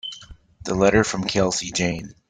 The letter from Kelsey Jane.